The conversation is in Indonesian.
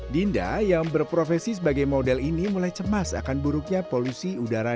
dinda yang berprofesi sebagai model ini mulai cemas akan buruknya polusi udara